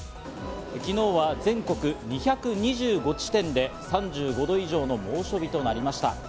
昨日は全国２２５地点で３５度以上の猛暑日となりました。